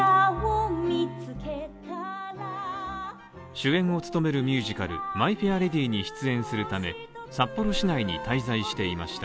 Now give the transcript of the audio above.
主演を務めるミュージカル「マイ・フェア・レディ」に出演するため札幌市内に滞在していました。